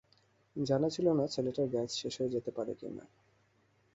জানা ছিল না ছেলেটার গ্যাস শেষ হয়ে যেতে পারে কিনা।